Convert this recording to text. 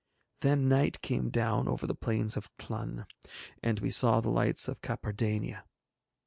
Then night came down over the plains of Tlun, and we saw the lights of Cappadarnia.